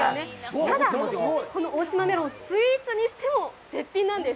ただ、この大島メロン、スイーツにしても絶品なんです。